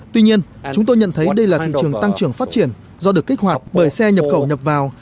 tuy nhiên chúng tôi nhận thấy đây là thị trường tăng trưởng phát triển do được kích hoạt bởi xe nhập khẩu nhập vào